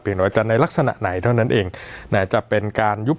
น้อยแต่ในลักษณะไหนเท่านั้นเองแม้จะเป็นการยุบ